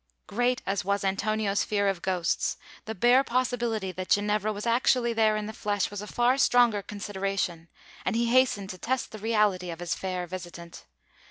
Great as was Antonio's fear of ghosts, the bare possibility that Ginevra was actually there in the flesh was a far stronger consideration; and he hastened to test the reality of his fair visitant.